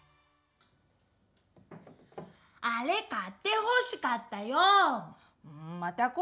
あれ買ってほしかったよう！